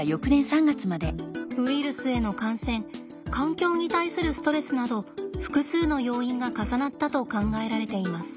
ウイルスへの感染環境に対するストレスなど複数の要因が重なったと考えられています。